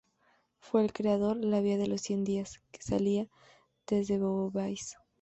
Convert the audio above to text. Fue el creador la "vía de los cien días" que salía desde Beauvais.